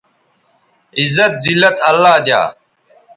عزت، زلت اللہ دیا